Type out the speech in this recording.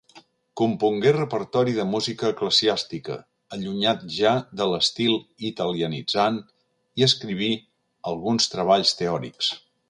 Compongué repertori de música eclesiàstica, allunyat ja de l'estil italianitzant, i escriví alguns treballs teòrics.